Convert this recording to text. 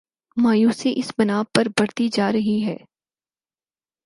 مایوسی اس بنا پہ بڑھتی جا رہی ہے۔